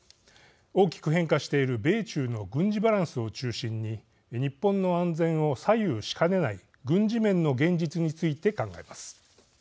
大きく変化している米中の軍事バランスを中心に日本の安全を左右しかねない軍事面の現実について考えます。